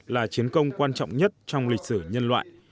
là chiến công quan trọng nhất trong lịch sử nhân loại